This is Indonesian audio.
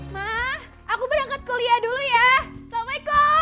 mah aku berangkat kuliah dulu ya assalamualaikum